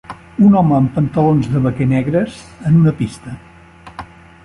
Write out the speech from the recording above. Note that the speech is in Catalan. Un home amb pantalons de vaquer negres en una pista